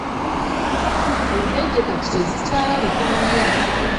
Enkejje kati tezikyalabika nnyo.